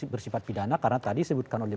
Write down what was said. bersifat pidana karena tadi disebutkan oleh